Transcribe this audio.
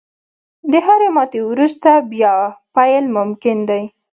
• د هرې ماتې وروسته، بیا پیل ممکن دی.